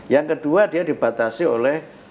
yang kedua dia dibatasi oleh